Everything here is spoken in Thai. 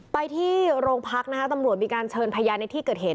ไปที่โรงพักนะคะตำรวจมีการเชิญพยานในที่เกิดเหตุ